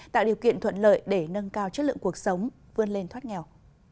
tạo điều kiện thuận lợi để nâng cao chất lượng cuộc sống vươn lên thoát nghèo